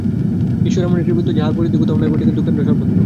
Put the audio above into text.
ঈশ্বর এমন একটি বৃত্ত, যাহার পরিধি কোথাও নাই বটে, কিন্তু কেন্দ্র সর্বত্র।